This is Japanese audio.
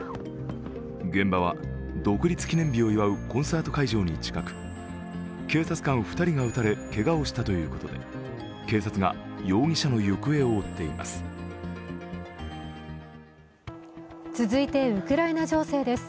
現場は独立記念日を祝うコンサート会場に近く警察官２人が撃たれけがをしたということで警察が容疑者の行方を追っています。